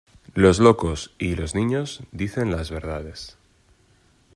Los locos y los niños dicen las verdades.